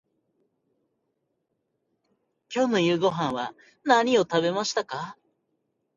今日の夕ごはんは何を食べましたか。